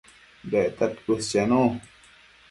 Dectad cuës chenu